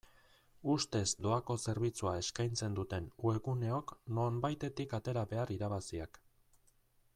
Ustez doako zerbitzua eskaitzen duten webguneok nonbaitetik atera behar irabaziak.